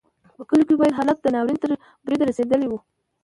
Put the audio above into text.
په کلیو کې بیا حالت د ناورین تر بریده رسېدلی و.